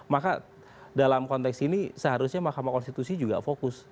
maka dalam konteks ini seharusnya mahkamah konstitusi juga fokus